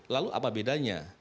lalu apa bedanya